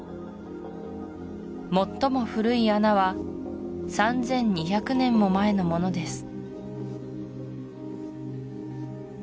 最も古い穴は３２００年も前のものです